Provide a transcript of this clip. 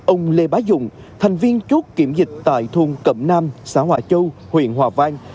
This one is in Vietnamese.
ông lê bá dũng thành viên chốt kiểm dịch tại thùng cẩm nam xã hòa châu huyện hòa vang